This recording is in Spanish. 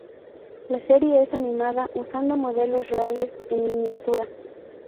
La serie es animada usando modelos reales en miniatura.